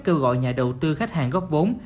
kêu gọi nhà đầu tư khách hàng góp vốn